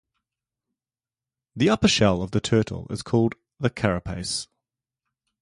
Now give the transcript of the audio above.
The upper shell of the turtle is called the carapace.